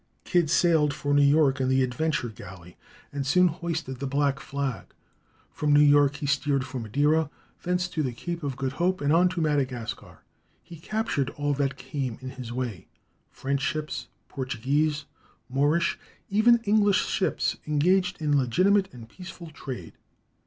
Kidd sailed for New York in the Adventure galley, and soon hoisted the black flag. From New York he steered for Madeira, thence to the Cape of Good Hope, and on to Madagascar. He captured all that came in his way. French ships, Portuguese, "Moorish," even English ships engaged in legitimate and peaceful trade.